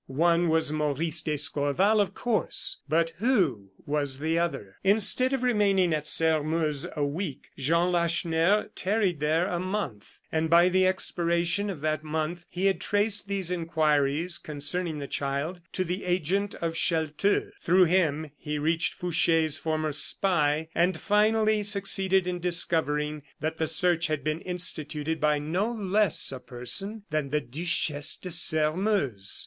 One was Maurice d'Escorval, of course, but who was the other? Instead of remaining at Sairmeuse a week, Jean Lacheneur tarried there a month; and by the expiration of that month he had traced these inquiries concerning the child to the agent of Chelteux. Through him, he reached Fouche's former spy; and, finally, succeeded in discovering that the search had been instituted by no less a person than the Duchesse de Sairmeuse.